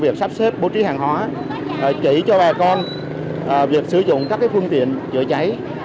việc sắp xếp bố trí hàng hóa chỉ cho bà con việc sử dụng các phương tiện chữa cháy